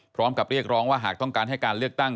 พร้อมกับเรียกร้องว่าหากต้องการให้การเลือกตั้ง